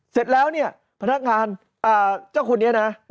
เสร็จแล้วเนี่ยพนักงานเจ้าคนนี้นะ